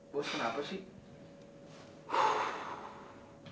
bos kenapa sih